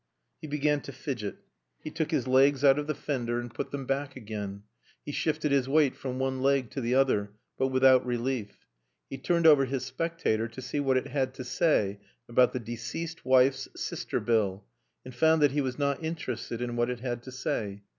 He began to fidget. He took his legs out of the fender and put them back again. He shifted his weight from one leg to the other, but without relief. He turned over his Spectator to see what it had to say about the Deceased Wife's Sister Bill, and found that he was not interested in what it had to say.